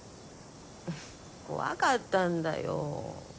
怖かったんだよ。